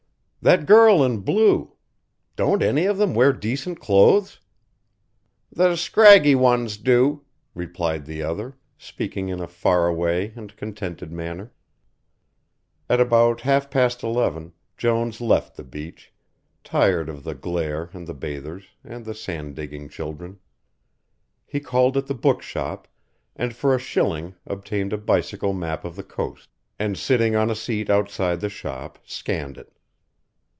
"That girl in blue. Don't any of them wear decent clothes?" "The scraggy ones do," replied the other, speaking in a far away and contented manner. At about half past eleven Jones left the beach, tired of the glare and the bathers, and the sand digging children. He called at the book shop, and for a shilling obtained a bicycle map of the coast, and sitting on a seat outside the shop scanned it.